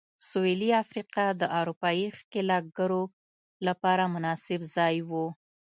سوېلي افریقا د اروپايي ښکېلاکګرو لپاره مناسب ځای و.